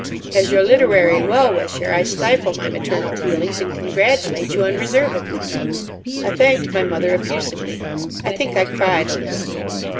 As your literary well wisher, I stifle my maternal feelings and congratulate you unreservedly." I thanked my mother effusively. I think I cried a little.